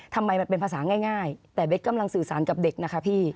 ทำไมมันเป็นภาษาง่ายแต่เบ๊กกำลังสื่อสารกับเด็กนะคะพี่